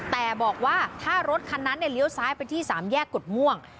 แต่บอกว่าถ้ารถคันนั้นเลี้ยวซ้ายไปที่สามแยกกฎม่วง